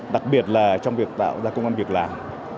đặc biệt là trong việc tạo ra công an việc làm